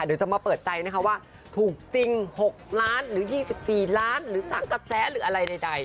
เดี๋ยวจะมาเปิดใจนะคะว่าถูกจริง๖ล้านหรือ๒๔ล้านหรือสังกระแสหรืออะไรใด